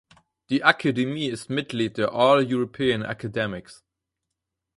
Die Akademie ist Mitglied der "All European Academies".